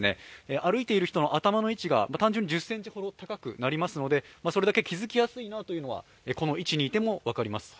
歩いている人の頭の位置が単純に１０ｃｍほど高くなりますのでそれだけ気付きやすいなというのは、この位置にいても分かります。